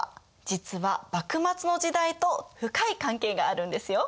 実は幕末の時代と深い関係があるんですよ。